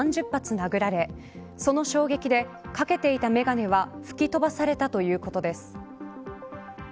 殴られその衝撃で、かけていた眼鏡は吹き飛ばされたということです。